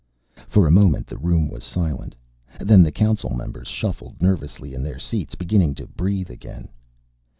For a moment the room was silent. Then the Council members shuffled nervously in their seats, beginning to breathe again.